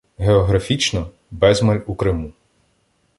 Географічно – безмаль у Криму